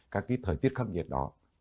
các cái thời tiết khắc nhiệt đó